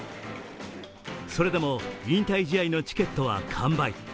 それでも引退試合のチケットは完売。